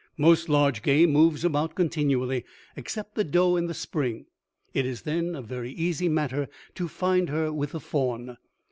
Most large game moves about continually, except the doe in the spring; it is then a very easy matter to find her with the fawn.